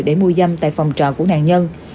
để mua dâm tại phòng trọ của nạn nhân